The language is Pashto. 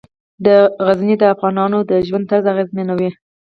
غزني د افغانانو د ژوند طرز اغېزمنوي.